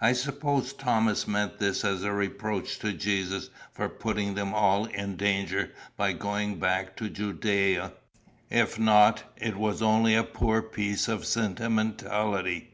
I suppose Thomas meant this as a reproach to Jesus for putting them all in danger by going back to Judæa; if not, it was only a poor piece of sentimentality.